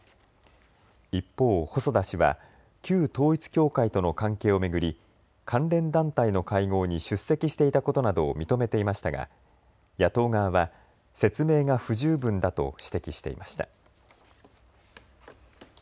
一方、細田氏は旧統一教会との関係を巡り関連団体の会合に出席していたことなどを認めていましたが野党側は説明が不十分だと指摘していました。